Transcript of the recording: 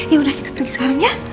ya udah kita pergi sekarang ya